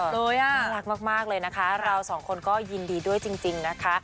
น่ารักมากเลยนะคะเราสองคนก็ยินดีด้วยจริงนะคะ